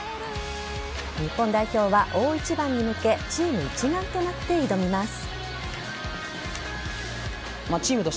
日本代表は大一番に向けチーム一丸となって挑みます。